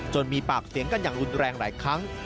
มีปากเสียงกันอย่างรุนแรงหลายครั้ง